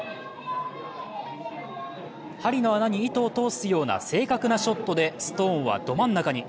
針の穴に糸を通すような正確なショットでストーンはど真ん中に。